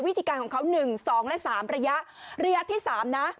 วิธีการของเขาหนึ่งสองและสามระยะระยะที่สามนะ